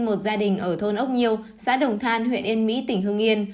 một gia đình ở thôn ốc nhiêu xã đồng than huyện yên mỹ tỉnh hương yên